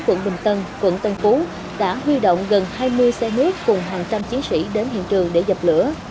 quận bình tân quận tân phú đã huy động gần hai mươi xe nước cùng hàng trăm chiến sĩ đến hiện trường để dập lửa